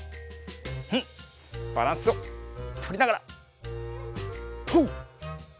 ふっバランスをとりながらとうっ！